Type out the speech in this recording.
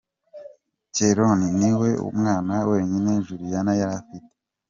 Keron ni we mwana wenyine Juliana yari afite.